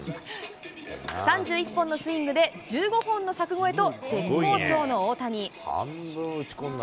３１本のスイングで１５本の柵越えと、絶好調の大谷。